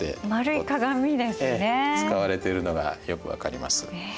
使われてるのがよく分かります。